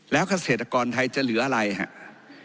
แล้วเกษตรกรไทยจะเหลืออะไรครับ